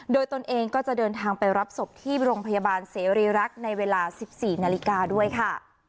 โดยตนเองก็จะเดินทางไปรับศพที่โรงพยาบาลเสรีรักษ์ในเวลา๑๔นาฬิกาด้วยค่ะ